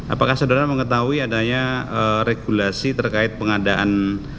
apakah saudara mengetahui adanya regulasi terkait pengadaan